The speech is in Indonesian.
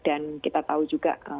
dan kita tahu juga